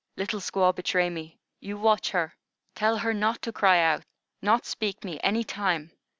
"Little squaw betray me. You watch her. Tell her not to cry out, not speak me any time.